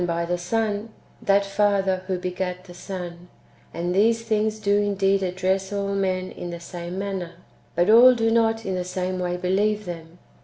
by the Son that Father who begat the Son : and these things do indeed address all men in the same manner, but all da not in the same way believe them.